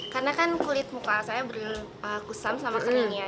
karena kan kulit muka saya berlalu kusam sama kering ya